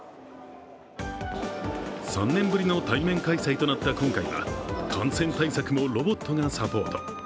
３年ぶりの対面開催となった今回は、感染対策もロボットがサポート。